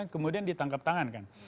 kemudian ditangkap tangan kan